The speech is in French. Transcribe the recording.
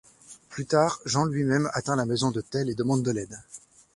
Plus tard, Jean lui-même atteint la maison de Tell et demande de l'aide.